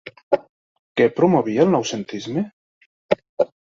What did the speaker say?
Què promovia el noucentisme?